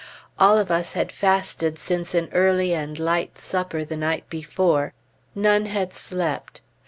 All of us had fasted since an early and light supper the night before; none had slept.